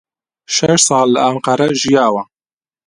شەش ساڵ لە ئەنقەرە ژیاوە.